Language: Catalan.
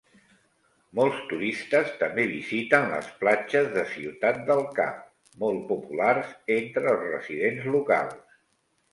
Molts turistes també visiten les platges de Ciutat del Cap, molt populars entre els residents locals.